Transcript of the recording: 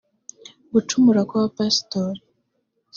gucumura kw’abapasitori